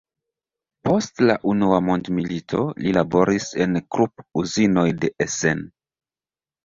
Post la unua mondmilito, li laboris en Krupp-uzinoj de Essen.